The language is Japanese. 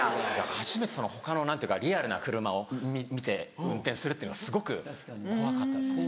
初めて他のリアルな車を見て運転するっていうのはすごく怖かったですね。